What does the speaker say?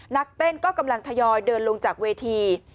นักเต้นก็กำลังทยอยเดินลงจากเวที